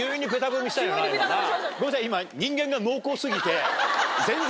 ごめんなさい今。